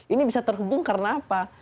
ini bisa terhubung karena apa